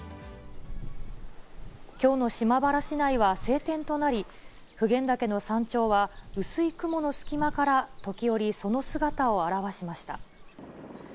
きょうの島原市内は晴天となり、普賢岳の山頂は薄い雲の隙間から時折、その姿を現しました。